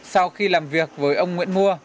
sau khi làm việc với ông nguyễn mua